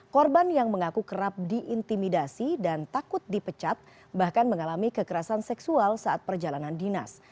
korban yang mengaku kerap diintimidasi dan takut dipecat bahkan mengalami kekerasan seksual saat perjalanan dinas